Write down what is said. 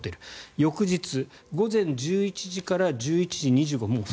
翌日、午前１１時から１１時２５分。